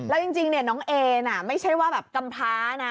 แล้วจริงเนี่ยน้องเอน่ะไม่ใช่ว่าแบบกำพ้านะ